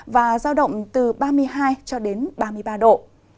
và giao động từ ba mươi hai cho đến ba mươi ba độ